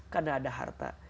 karena ada harta